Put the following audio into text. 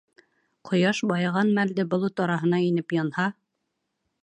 Ҡояш байыған мәлде болот араһына инеп янһа